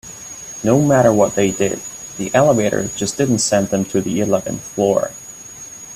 No matter what they did, the elevator just didn't send them to the eleventh floor.